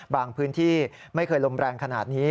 บางพื้นที่ไม่เคยลมแรงขนาดนี้